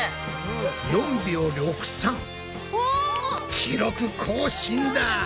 記録更新だ！